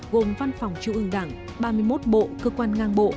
gồm văn phòng trung ương đảng ba mươi một bộ cơ quan ngang bộ